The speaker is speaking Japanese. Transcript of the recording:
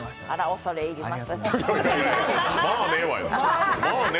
恐れ入ります？